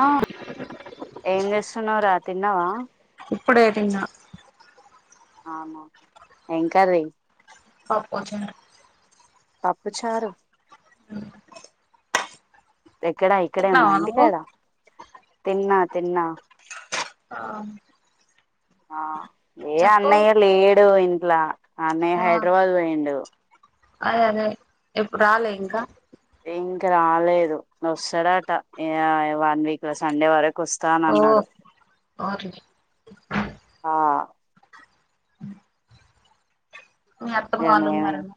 ఆ ఏం చేస్తున్నావురా తిన్నావా ఇప్పుడేతిన్న అవునా ఎం కర్రీ పప్పుచారు పప్పుచారు హు ఎక్కడా ఇక్కడే ఉన్నా నువ్వు ఇంటికాడ తిన్నా తిన్నా ఆ ఆ ఏ చెప్పు అన్నయ్య లేడు ఇం లా అన్నయ ఆ హైడ్రారాబాద్ పోయిండు అదే అదే ఇప్పుడు రాలే ఇంకా ఇంక రాలేదు వస్తాడట వీక్ లో సండే వరకు వస్త ఓ అనన్నాడు ఓర్లీ ఆ అ మీ అత్తమ్మ ఇగ మేమే వాళ్ళున్నారమో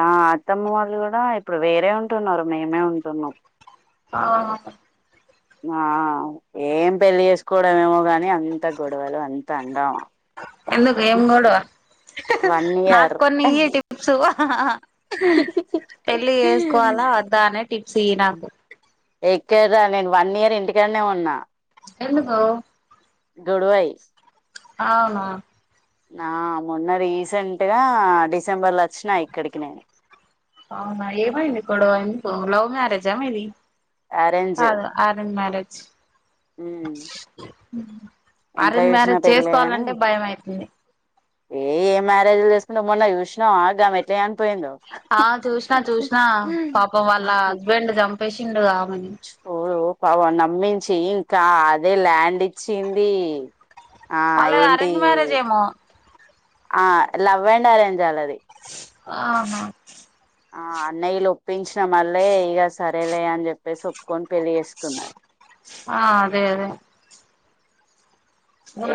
ఆ అత్తమ్మ వాళ్ళు కూడా ఇప్పుడు వేరే ఉంటున్నారు మేమే ఉంటున్నాం అవునా ఆ ఏం పెళ్ళి చేసుకోవడం ఏమో గాని అంత గొడవలు అంత అంగామా ఎందుకు ఏం గొడవ వన్ నాకు ఇయర్ కొన్నీయి టిప్సు పెళ్లి చేసుకోవాలా వద్దా అనే టిప్స్ ఇయి నాకు ఎక్కడ్రా నేను వన్ ఇయర్ ఇంటికాన్నే ఉన్నా ఎందుకో గొడువై అవునా నా మొన్న రీసెంట్గా డిసెంబర్ లో వచ్చినా ఇక్కడికి నేను అవునా ఏమైంది గొడవ ఎందుకు లవ్ మ్యారేజా ఆ మీది కాదు అరేంజ్ మ్యారేజ్ ఉ ఉ అరేంజ్ మ్యారేజ్ గాని చేసుకోవాలంటే భయం అయితుంది ఏ ఏ మ్యారేజ్లు చేసుకుంటావ్ మొన్న చూసినావ గామె ఎట్ల చని ఆ చూసినా చూసిన పాపం వాళ్ళ హస్బెండ్ చంపేసి చిండు కావ మని చూడు పాపం నమ్మించి ఇంకా అదే ల్యాండ్ ఇచ్చింది ఆ వాళ్ళది ఏంటి అరేంజ్ మ్యారేజ్ ఎమో ఆ లవ్ అండ్ ఆరెంజ్ అల్లాది ఆహ ఆ అన్నయ్యలు ఒప్పించిన మల్లే ఇగ సరేలే అని చెప్పేసి ఒప్పు ఆ అదే అదే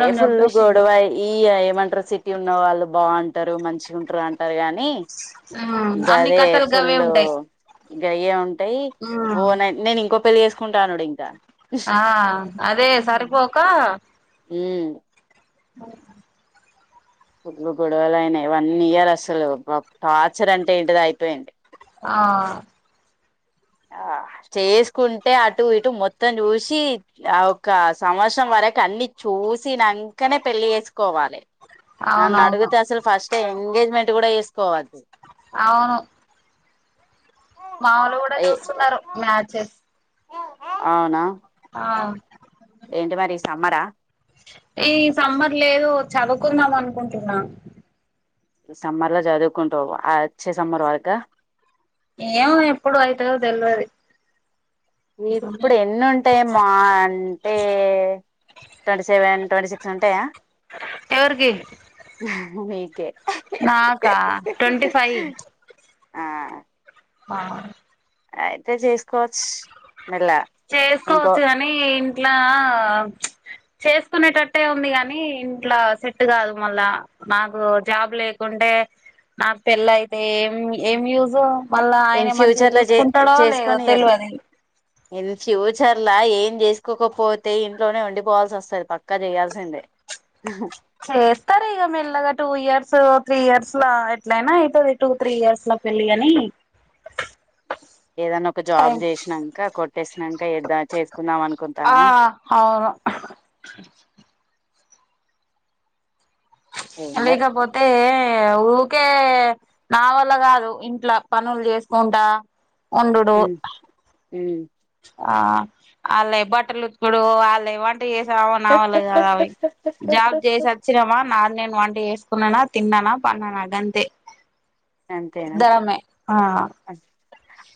ఏ ఫుల్ చంపేసిండు గోడవ అయి ఇయ ఏమంటరు సిటీ ఉన్న వాళ్ళు బాగుంటారు మంచి ఉంటారు అంటారు కని ఆ అన్ని కథలుగావే ఉంటాయి గయ్యే ఉం టయి ఉమ్ ఒ నేను నేను ఇంకో పెళ్లి చేసుకుంటానుడు ఇంకా ఆ అదే సరిపోక ఉ అ ఫుల్లు గొడవలు అయినాయి వన్ ఇయర్ అసలు బాప్ టార్చర్ అంటే ఏంటిది అయిపోయింది ఆ ఆ చేసుకుంటే అటు ఇటు మొత్తం చూసి ఆ ఒక సంవత్సరం వరకు అన్ని చూసినంకనే పెళ్లి చేసుకోవాలే నన్ను అవునవును అడుగుతే అసలు ఫస్ట్ అే ఎంగేజ్మెంట్ కూడా వేసుకోవా అవును మావోలు కూడా చూస్తున్నరు మ్యాచెస్ అవునా ఆ ఎంటి మరి సమ్మరా ఈ సమ్మర్ లేదు చదువుకుందాం అనుకుంటున్నా సమ్మర్ ల చదువుకుంటావు ఆ అచ్చే సమ్మర్ వరక ఏమో ఎప్పుడు అయితదో దేల్వది ఇప్పుడు ఎన్ని ఉంటాయి మా అంటే ట్వంటీ సెవెన్ ట్వంటీ సిక్స్ ఉంటాయా ఎవరికి మీకే నాకా ట్వంటీ ఆ ఆ అయితే చేసుకోవచ్చు మెల్ల ఇంకో చేసుకోవచ్చు కాని ఇ ఇట్లా చేసుకునేటట్టే ఉంది కాగాని ఇంట్లా సెట్ కాదు మళ్ళా నాకు జాబ్ లేకుంటే నాకు పెళ్ళి అయితే ఏం ఏం యూస్ మళ్ళా ఇన్ ఆయన మంచిగా ఫ్యూచర్ లో చే చూసుకుంటాడో లేదో తెలవదు ఇగ ఇన్ ఫ్యూచర్లో ఏం చేసుకోకపోతే ఇంట్లోనే వండిపోవాల్సి వస్తుంది పక్కా చేయాల్సిందే చేస్తారు ఇక మెల్లగా టూ ఇయర్స్ త్రీ ఇయర్స్ ఎట్లయినా అయితది టూ త్రీ ఇయర్స్లా పెళ్ళి కానీ ఏదన్నా ఒక జాబ్ చేసినాక కొట్టేసినాక ఏ దాచేసుకుందాం అనుకుంటార ఆ అవును ఏం అ కాదు లేగాపోతే ఊకే కావల్ల కాదు ఇంట్లో పనులు చేసుకుంటా ఉండుడు మ్ ఆ అల్లే బట్టలు ఉత్కుడు అల్లే వంట వంట చేసావ నావళ కాదు అవి జాబ్ చేసి వచ్చినమా నాది నేను వంట చేస్త తన్ననా తిన్ననా పన్ననా గంతే అంతేనా ఇద్దరమే ఆ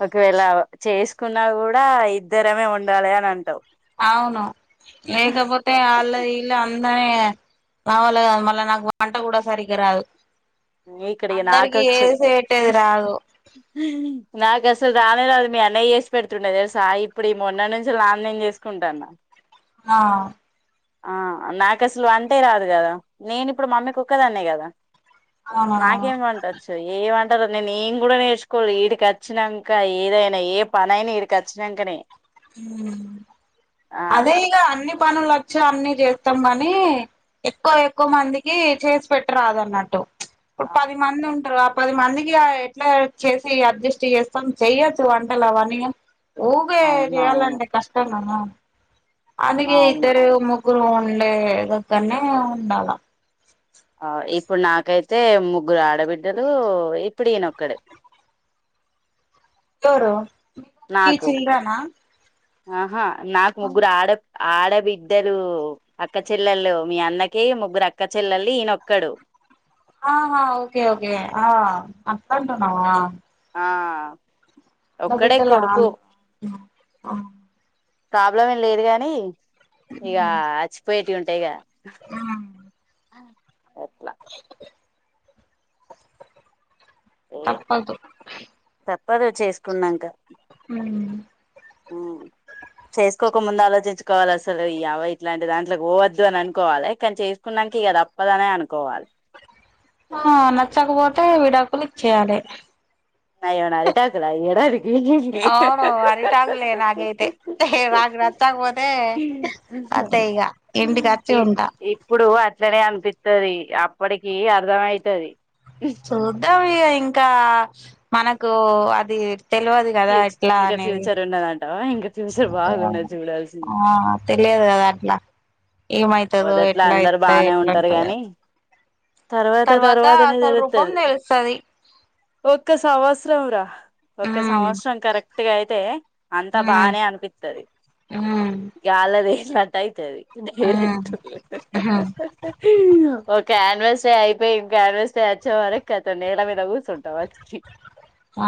ఒకవేళ చేసు కున్నా కూడా ఇద్దరమే ఉండాలి అని అంటావు అవును లేకాపోతే అలా ఇలా అందనే నావళ్ళ మళ్ళ నాకు వంట కూడా సరిగా ఇగరాదు ఇక్కడికి నాకచ్చు రాదు నాకు అసలు రాలేదు అది మీ అన్నయ్య చేసి పెడుతుండే తెలుసా ఇప్పుడు ఈ మొన్న నుంచి నాది నేను చేసుకుంటాన్న ఆ ఆ నాకు అసలు వంటే రాదు కదా నేను ఇప్పుడు మమ్మీ కి ఒక్కదాన్నే కదా అవునవును నాకేం వంటొచ్చు ఏమ నేను ఎం కూడా నేర్చుకోవాలే ఇడికి వచ్చినంక ఏదైనా ఏ పనయినా ఇడికి వచ్చినంకనే ఉం ఆ అదే ఇగ అన్ని పనులు వచ్చి అన్ని చేస్తాంమని కానీ ఎక్కువ ఎక్కువ మందికి చేసి పెట్టరాదు అన్నట్టు ఇప్పుడు ఆ, పది మంది ఉంటరు పది మందికి ఎట్లా చేసి అడ్జస్ట్ చేస్తాం చెయొచ్చు వంటలు అవన్నీ ఊకే అవునవును చేయ్యాలంటే కష్టం ఆహా అందుకె అవును ఇద్దరు ముగ్ కూర వండేదక్కనే ఉండాల ఆ ఈ ఇప్పుడు నాకైతే ముగ్గురు ఆడబిడ్డలు.. ఇప్పుడు ఈయనొక్కడు [unintelligible] మీ చిల్డ్రన ఆహా నాకు ముగ్గురు ఆడ ఆడబిడ్డలు అక్క చెల్లళ్లు మీ అన్నకి ముగ్గురు అక్క చెల్లళ్లు ఈయనొక్కడు ఆహా ఓకే ఓకే ఆ అట్లంటున్నావ ఆ ఓ ఒక్కడే బిడ్డల కొడుకు ప్రాబ్లం ఏం లేదు గాని ఇగా అచ్చిపోయేటీ ఉం టయిగా ఆఓ [unintelligible] ఏ తప్పదు తప్పదు చేసుకున్నంక ఉం ఉం చేసుకోక ముందు ఆలోచించుకోవాలి అసలు ఈ అవ ఇట్లాంటి దాంట్లోకి పోవద్దు అని అనుకోవాలి కానీ చేసుకున్నానికి ఇక తప్పదనే అనుకోవాలే ఆ నచ్చకపోతే విడాకులు ఇచ్చేయాలే నయోనా విడాకుల ఎడది అవును అరిటగులే నాకైతే నాకు నచ్చకపోతే అదే ఇక ఇంటికి వచ్చి ఉంటా ఇప్పుడు అట్లనే అనిపిత్తది అప్పడికి అర్ధ అయితది చూద్దాం ఇగ ఇంకా.. మనకు వొ అది తెలవదు కదా ఫ్యూ ఎట్లా ఇంకా అనేది ఫ్యూచర్ ఉన్నదంటావా ఇంకా ఫ్యూచర్ ఆ బాగున్నది ఆ చూడాల్సింది తెలియదు కదా అట్లా ఏమైతుదో మొదట్లో ఎట్లా అందరు అయితె బానే ఉంటారు ఎట్లుంటదోని గాని తర్వాత తర్వాతనే రూపం తెలుత్తది తెలుస్తది ఒక్క సంవత్సరం రా ఒక్క ఉమ్ సంవత్సరం కరెక్ట్గ అయితే అంతా ఉమ్ బానే అనిపిత్తది ఉమ్ గాల్లదే కట్ అయితది ఉద్ హే ఉమ్ హీ ఓక్ క్యాన్వాస్ డే అయిపేయి క్యాన్వాస్ డే వచ్చే వరకు అతన్ నేల మీద కూర్చుంటాం వచ్చి ఆ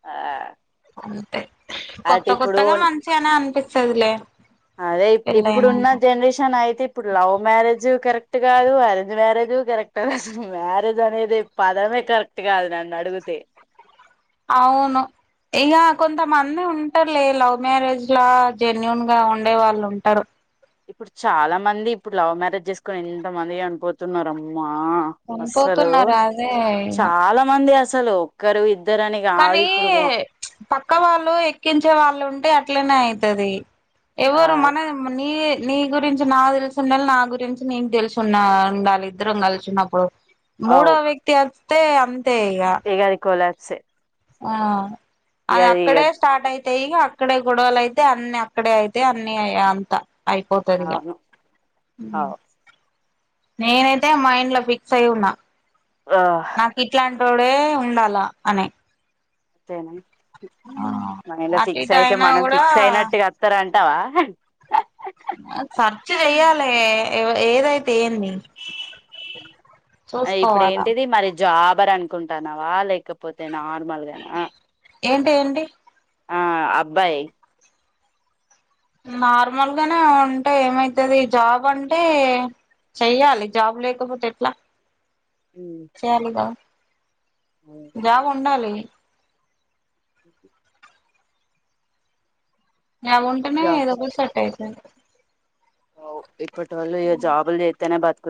ఆ అంతే కొత్త అటు ఇప్పుడు కొత్తగా మంచిగనే అనిపిస్ చదులే అదే ఇప్పుడ్ ఇప్పుడున్న జనరేషన్ అయితే ఇప్పుడు లవ్ మ్యారేజు కరెక్ కరెక్ట్ కాదు అరేంజ్ మ్యారేజు కరెక్ట్ అసలు మ్యారేజ్ అనేదే పదమే కరెక్ట్ కాదు నన్ను అడుగితే అవును ఇంగ కొంతమంది ఉంటర్లే లవ్ మ్యారేజ్ లా జెన్యుూన్ గా ఉండే వాళ్ళు ఉంటారు ఇప్పుడు చాలా మంది ఇప్పుడు లవ్ మ్యారేజ్ జేస్కొని ఎంత మంది చనిపోతున్నారు అమ్మ ఆ అస్సలు చనిపోతున్నారు అదే చాలా మంది అస్ అస్సలు ఒక్కరు ఇద్ కనీ పక్క వాళ్ళు ఎక్కించే వాళ్ళు ఉంటే అట్ అట్లనే అయితది ఆ ఎవరు మనద్ మనీ నీ గురించి నాగ్ తెలిసుండళ్ళ నా గురించి నీక్ తెలిస్వున్న ఉండాలి ఇద్దరం కలిసిన్నప్పుడు మూడో వ్యక్తి అస్ తే అన్ ఏగది కొలర్ సే ఆ అది అక్కడే స్టార్ట్ అయి తే ఇగ అక్కడే గొడవలు అయితే అన్ని అక్కడే అయితే అన్ని అయ అంత అయిపోతదిగ అవును అవు నేనైతే మైండ్ లో ఫిక్స్ అయి ఉన్నా ఆ నాక్ ఇట్లాన్ ఇక్కడే ఉండాల అనే అంతేనా మైండ్ల అటు ఫీక్స్ ఇటు అయితే అయినా మనం కూడా ఫీక్స్ అయినట్టుగా అత్తరం ఇత్తావా సర్చ్ చెయ్యాలే ఎవ్ ఏదైతే ఏంది అయ్ ఇప్పుడు చూసుకోవాలా ఏంటిది మరి జాబర్ అనుకుంటాన్నావా లేకపోతే నార్మల్గానా ఏంటి ఏంటి ఆ అబ్బాయి నార్మల్గానే ఉంటే ఏమైతది జాబ్ అంటే చెయ్యాలి జాబ్ లేకపోతే ఎట్లా చేయాలి కద ఉమ్. జాబ్ ఉండాలి అ జాబ్ ఉంటేనే ఏదో జాబ్స్ ఒకటి సెట్ అయితది ఓ ఇప్పటోళ్ళు ఇగ జాబ్ల్ జెతేనే బత్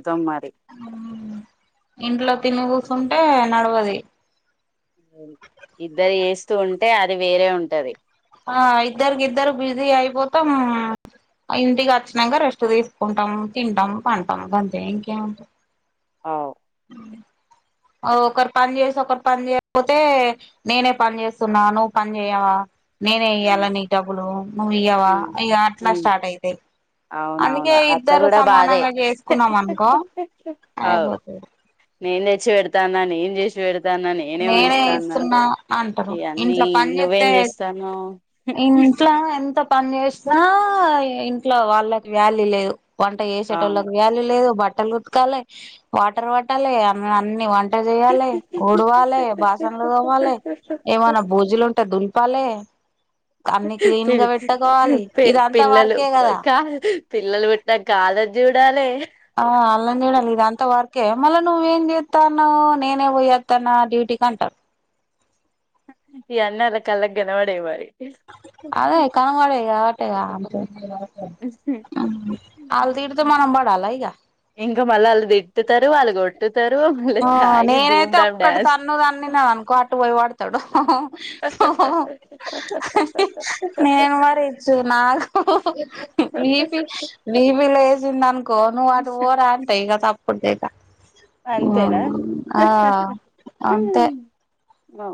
ఇంట్లో తిని కూసుంటే నడువది ఇద్దరు చెస్తూ ఉంటే అది వేరే ఉంటది ఆ ఇద్దరికి ఇద్దరు బిజీ అయిపోతాం ఇంటికి వచ్చినాక రెస్ట్ తీసుకుంటాం తింటాం పంటాం గంతే ఇంకేముంట అవు ఒకరు పని చేసి ఒకరు పని చేయకపోతే నేనే పని చేస్తున్నా నువ్వు పని చేయవా నేనేఇయ్యాలని డబ్బులు నువ్ ఇయ్యవా ఉమ్ ఇగ అట్లా ఉమ్ స్టార్ట్ అయితయ్ అవునవును అట్ల కూడా బాధే చేసుకున్నాం అనుకో అవు అయిపోతది నేను తెచ్చి పెడతా నా నేను చేసి పెడ్ నేనే చెస్తున్నా అంటారు ఇవన్నీ ఇంట్లో పని చేస్తే నువ్వేం చేస్తాన్నావ్ ఇంట్లో ఎంత పని చేసినా ఇంట్లో వాళ్ళకి వ్యాల్యూ లేదు వంట అవును వసేటోళ్లకు వ్యాల్యూ లేదు బట్ ట్టలు ఉతకాలే వాటర్ పట్టాలే అ అన్ని వ ట చెయ్యాలె ఉడువ లే బాసడ్లు తోమాలే ఏమన్నా భోజులు ఉంటే దులుపాలే అన్ని క్లీన్ పి గా పెట్టుకోవాలి పి ఇదంత పిల్లలు వర్కే కదా కా పిల్లలు పుట్టినంక ఆళ్ళను చూడాలే ఆ అల్లాని చూడాలి ఇదంత వర్కే మళ్ళా నువ్వేం చేత్తనవ్ నేనే పోయేత్తన డ్యూటీకీ అంటారు ఈయన్ని అళ్ళ కాళ్ళకనపడయి మరి అదే కనుమలేగా టదా అల్ తీీడుతే మనం బడ్ సాలాయిగా ఇంకా మళ్ళ అల్లు తిట్టుతారు వాళ్ళు కొ ఆ నేనైతే ఒక్కటి డాన్స్ తన్ను తన్నినా అనుకో అటు పోయి పడు తడు నేను మరి ఇచ్చు నాకు బిపి బిపి లేసింది అనుకో నువ్వు అటు పోరా అంటా ఇగ తప్ కొంతేగా అంతేనా ఆ అంతే అఓ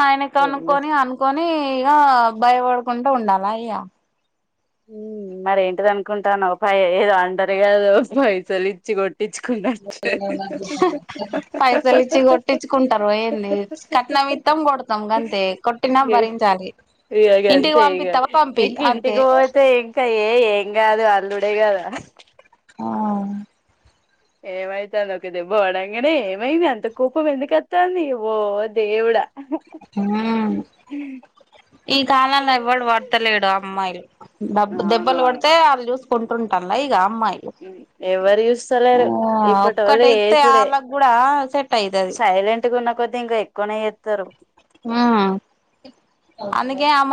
ఆయనకు అనుకొని అనుకొని నీ ఇగ భయపడుకుంటా ఉండాలా అయ్యా మరేంటిద అనుకుంటన్నావ్ పై ఏదో అంటరు కదు పైసలు ఇచ్చి కొ పైసలు ఇచ్చి కొట్టించుకుంటారు ఏంది కట్నం ఇత్తాం కొడతాం గంతే కొట్టినా ఏ భరించాలి ఇగ ఇంటికి గంతే ఇగ పంపిత్తావ పంపి ఇంక అంతే ఇంటికి పోతే ఇంకా ఏ ఏం కాదు అల్లుడే గదా ఆ ఏమైతాంది ఒక దెబ్బ పడంగానే ఏమైంది అంత కోపం ఎందుకత్తాంది ఓ దేవుడా ఈ కాలంలో ఎవ్వడు వడతలేడు అమ్మాయిలు దడబ్బ దెబ్బలు అవునవును కొడితే వాళ్ చూస్ కొంటుంటల్ల ఇగ అమ్మాయిలు ఎవరు ఆ చూస్తలేరు ఒక్కటి ఇప్పటోళ్ళు అయితే ఏసుడే వాళ్ళకి కూడా సెట్ అయితది సైలెంట్గా ఉన్న కొద్ది ఇంకా కొనే ఏత్తరు అందుకే అమ్